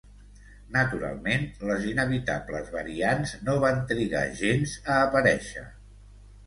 Naturalment les inevitables variants no van trigar gens a aparèixer.